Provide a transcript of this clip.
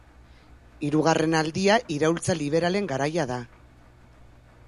Hirugarren aldia iraultza liberalen garaia da.